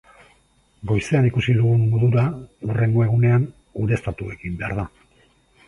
Goizean ikusi dugun modura, hurrengo egunean ureztatu egin behar da.